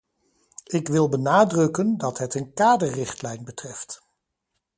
Ik wil benadrukken dat het een kaderrichtlijn betreft.